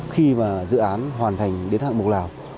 khi mà dự án hoàn thành đến hạng mộc lào